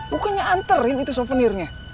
bukannya anterin itu souvenirnya